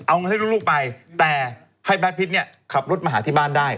เอาเงินให้ลูกไปแต่ให้แบดพิษเนี่ยขับรถมาหาที่บ้านได้